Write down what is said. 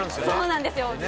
そうなんですよ。